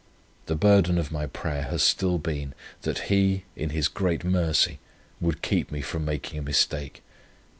The burden of my prayer has still been, that He, in His great mercy, would keep me from making a mistake.